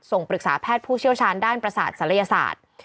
ปรึกษาแพทย์ผู้เชี่ยวชาญด้านประสาทศัลยศาสตร์